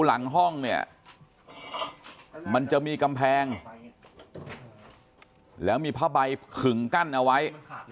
หลังห้องเนี่ยมันจะมีกำแพงแล้วมีผ้าใบขึงกั้นเอาไว้